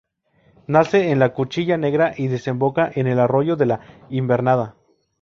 Nace en la cuchilla Negra y desemboca en el arroyo de la Invernada.